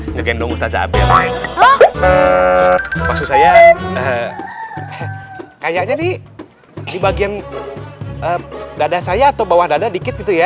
ngegendong ustaz abel maksud saya kayak jadi di bagian dada saya atau bawah dada dikit gitu ya